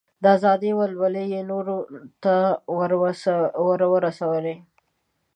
د ازادۍ ولولې یې نورو ته ور ورسولې.